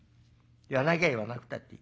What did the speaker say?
言わなきゃ言わなくたっていい。